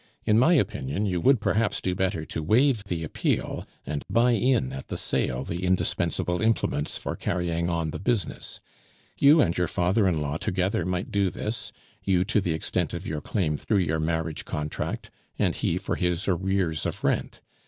In my opinion, you would perhaps do better to waive the appeal and buy in at the sale the indispensable implements for carrying on the business; you and your father in law together might do this, you to the extent of your claim through your marriage contract, and he for his arrears of rent.